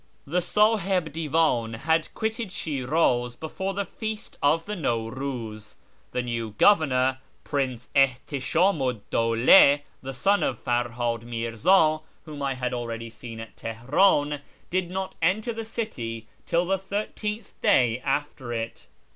The Sahib Divan had quitted Shi'raz before the Feast of the Nawruz. The new governor, Prince Ihtishamu 'd Dawla (the son of Ferhad Mirza), whom I had already seen at Teheran, (lid not enter the city till the thirteenth day after it.